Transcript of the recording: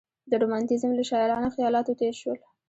د رومانتیزم له شاعرانه خیالاتو تېر شول.